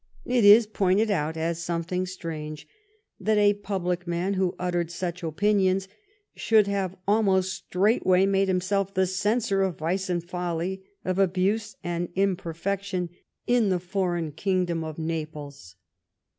'' It is pointed out as something strange that a public man who uttered such opinions should have almost straight way made himself the censor of vice and folly, of abuse and imperfection, in the foreign kingdom THE NEAPOLITAN LETTERS 1 43 of Naples.